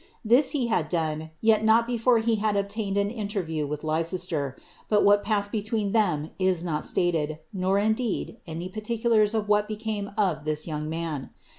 This he had done, yet not before he had obtained an interview with Leicester ;* but what passed between them is not stated, nor indeed any particulars of what became of this young man.